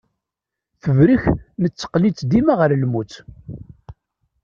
Tebrek netteqqen-itt dima ɣer lmut.